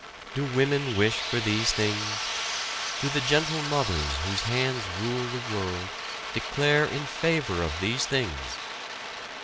Do women wish for these things? Do the gentle mothers whose hands rule the world declare in favor of these things?"